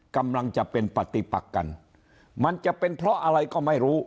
กำลังจะเป็นปฏิปักกันมันจะเป็นเพราะอะไรก็ไม่รู้